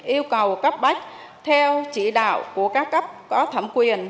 yêu cầu cấp bách theo chỉ đạo của các cấp có thẩm quyền